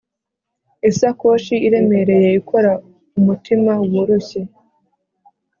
isakoshi iremereye ikora umutima woroshye.